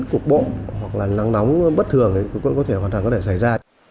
cục bộ hoặc là nắng nóng bất thường cũng có thể hoàn toàn có thể xảy ra